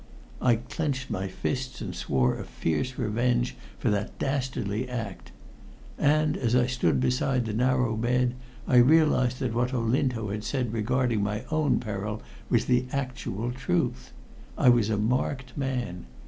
I clenched my fists and swore a fierce revenge for that dastardly act. And as I stood beside the narrow bed, I realized that what Olinto had said regarding my own peril was the actual truth. I was a marked man.